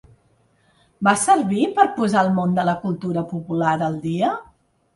Va servir per a posar el món de la cultura popular al dia?